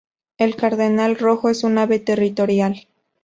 El cardenal rojo es un ave territorial.